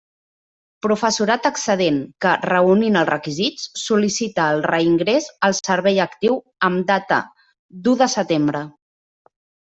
Professorat excedent que, reunint els requisits, sol·licita el reingrés al servei actiu amb data d'u de setembre.